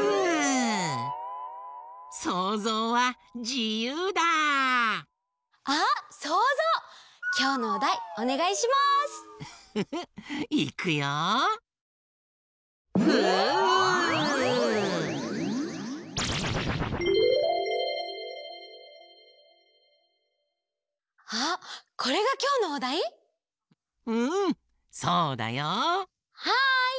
うんそうだよ。はい！